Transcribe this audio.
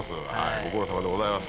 ご苦労さまでございます。